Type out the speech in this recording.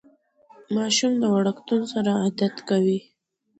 ماشوم د وړکتون سره عادت کوي.